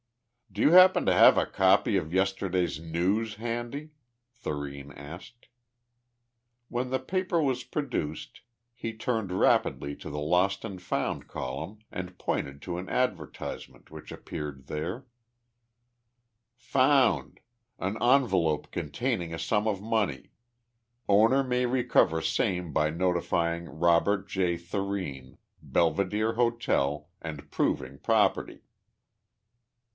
"Do you happen to have a copy of yesterday's News handy?" Thurene asked. When the paper was produced he turned rapidly to the Lost and Found column and pointed to an advertisement which appeared there: FOUND An envelope containing a sum of money. Owner may recover same by notifying Robert J. Thurene, Belvedere Hotel, and proving property.